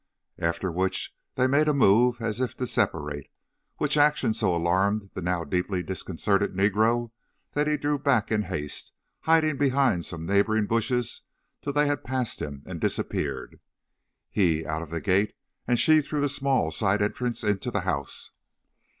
"After which they made a move as if to separate, which action so alarmed the now deeply disconcerted negro that he drew back in haste, hiding behind some neighboring bushes till they had passed him and disappeared, he out of the gate, and she through the small side entrance into the house.